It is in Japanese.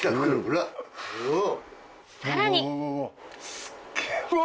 さらにわ！